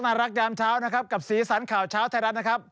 รักยามเช้านะครับกับสีสันข่าวเช้าไทยรัฐนะครับ